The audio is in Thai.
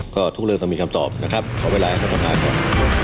ก็ทุกเรื่องต้องมีคำตอบนะครับขอเวลาให้คุณผู้ชมได้ก่อน